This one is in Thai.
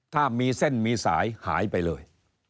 ถ้ามีเส้นมีสายหายไปเลย